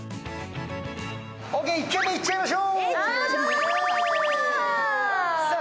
オーケー、いっちゃいましょう。